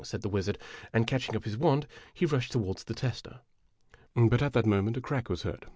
said the wizard, and, catching up his wand, he rushed toward the tester. But at that moment, "a crack was heard.